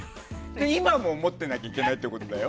今も思ってなきゃいけないってことだよ。